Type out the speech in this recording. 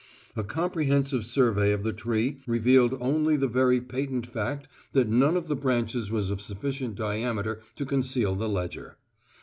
A comprehensive survey of the tree revealed only the very patent fact that none of the branches was of sufficient diameter to conceal the ledger.